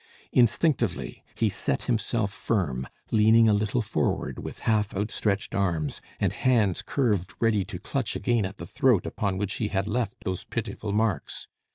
Instinctively, he set himself firm, leaning a little forward, with half outstretched arms, and hands curved ready to clutch again at the throat upon which he had left those pitiful marks.